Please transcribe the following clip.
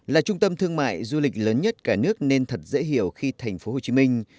là trung tâm thương mại du lịch lớn nhất cả nước nên thật dễ hiểu khi thành phố hồ chí minh